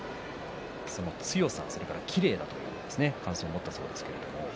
その強さ、きれいだという感想を持ったそうです。